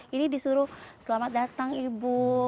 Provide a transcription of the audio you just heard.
ini disuruh selamat datang ibu